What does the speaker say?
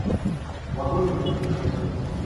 В вагоне нет никого.